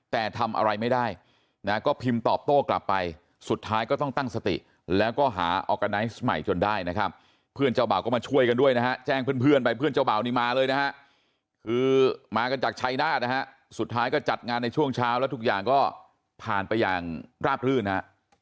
แต่ทำอะไรไม่ได้นะก็พิมพ์ตอบโต้กลับไปสุดท้ายก็ต้องตั้งสติแล้วก็หาออร์กาไนซ์ใหม่จนได้นะครับเพื่อนเจ้าบ่าวก็มาช่วยกันด้วยนะฮะแจ้งเพื่อนไปเพื่อนเจ้าบ่าวนี่มาเลยนะฮะคือมากันจากชัยนาฏนะฮะสุดท้ายก็จัดงานในช่วงเช้าแล้วทุกอย่างก็ผ่านไปอย่างราบรื่นฮะ